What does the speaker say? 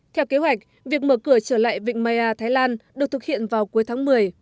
theo kế hoạch việc mở cửa trở lại vịnh maya thái lan được thực hiện vào cuối tháng một mươi